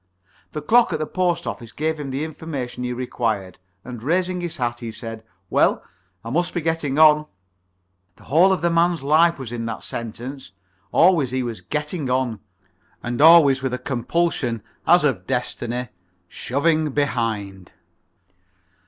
The clock at the post office gave him the information he required, and, raising his hat, he said: "Well, I must be getting on." The whole of the man's life was in that sentence. Always, he was getting on and always with a compulsion, as of destiny, shoving behind.